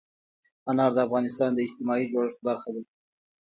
انار د افغانستان د اجتماعي جوړښت برخه ده.